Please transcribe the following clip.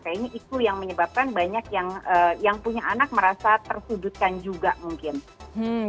kayaknya itu yang menyebabkan banyak yang punya anak merasa tersudutkan juga mungkin